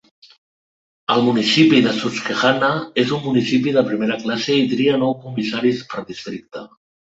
El municipi de Susquehanna és un municipi de primera classe i tria nou comissaris per districte.